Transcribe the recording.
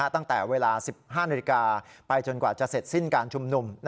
ตั้งแต่เวลา๑๕นาฬิกาไปจนกว่าจะเสร็จสิ้นการชุมนุม